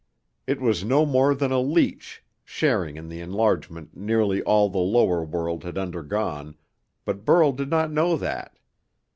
It was no more than a leech, sharing in the enlargement nearly all the lower world had undergone, but Burl did not know that.